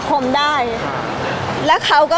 พี่ตอบได้แค่นี้จริงค่ะ